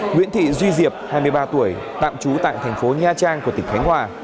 nguyễn thị duy diệp hai mươi ba tuổi tạm trú tại thành phố nha trang của tỉnh khánh hòa